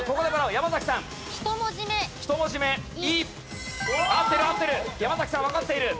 山崎さんわかっている。